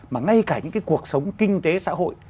mà ngay cả những cái cuộc sống kinh tế xã hội